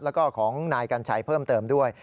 แล้วก็ของนายกัญชัยเพิ่มเติมด้วย